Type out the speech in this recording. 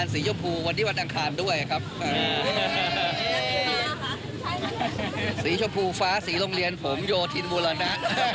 สีชมพูฟ้าสีโรงเรียนผมโยธินวุรณะ